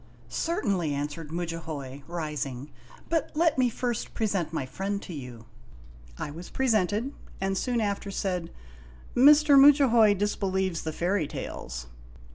"Certainly," answered Mudjahoy, rising; "but let me first pre sent my friend to you." I was presented, and soon after said :" Mr. Mudjahoy disbelieves the fairy tales."